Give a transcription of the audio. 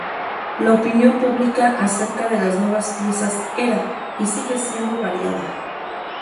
La opinión pública acerca de las nuevas piezas era, y sigue siendo variada.